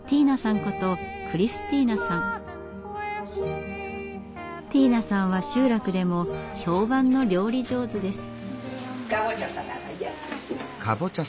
ことティーナさんは集落でも評判の料理上手です。